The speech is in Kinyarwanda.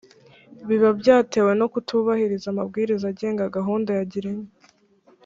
biba byatewe no kutubahiriza amabwiriza agenga Gahunda ya Girinka.